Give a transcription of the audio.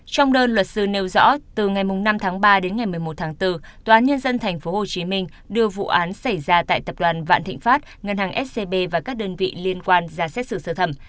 trong đơn luật sư nêu rõ từ ngày năm tháng ba đến ngày một mươi một tháng bốn tòa án nhân dân tp hcm đưa vụ án xảy ra tại tập đoàn vạn thịnh pháp ngân hàng scb và các đơn vị liên quan ra xét xử sơ thẩm